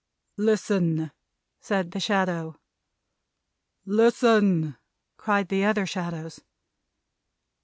"Listen!" said the Shadow. "Listen!" cried the other Shadows.